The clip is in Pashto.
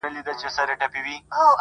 ویل قیامت یې ویل محشر یې؛